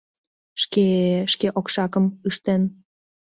Шке... шке окшакым ыштен.